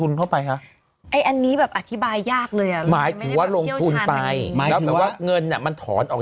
อึกอึกอึกอึกอึกอึกอึก